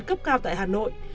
cấp cao tại hà nội